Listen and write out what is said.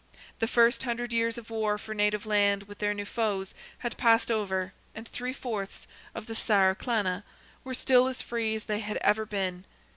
The first hundred years of war for native land, with their new foes, had passed over, and three fourths of the Saer Clanna were still as free as they had ever been.